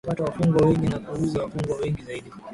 kupata wafungwa wengi na kuuza wafungwa wengi zaidi